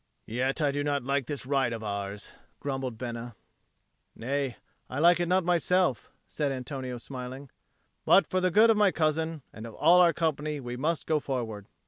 "Yet I do not like this ride of ours," grumbled Bena. "Nay, I like it not myself," said Antonio, smiling. "But for the good of my cousin and of all our company, we must go forward."